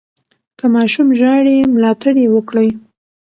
که ماشوم ژاړي، ملاتړ یې وکړئ.